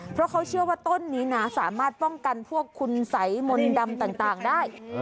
เพราะเขาเชื่อว่าต้นนี้นะสามารถป้องกันพวกคุณสัยมนต์ดำต่างได้